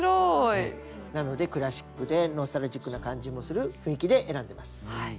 なのでクラシックでノスタルジックな感じもする雰囲気で選んでます。